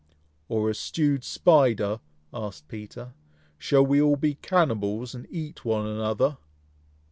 "Or a stewed spider?" asked Peter. "Shall we all be cannibals, and eat one another?"